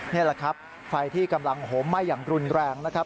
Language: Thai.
นี่แหละครับไฟที่กำลังโหมไหม้อย่างรุนแรงนะครับ